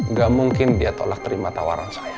nggak mungkin dia tolak terima tawaran saya